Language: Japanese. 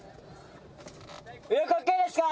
右翼ＯＫですか？